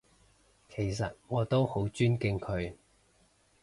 其實我都好尊敬佢